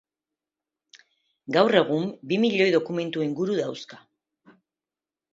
Gaur egun bi miloi dokumentu inguru dauzka.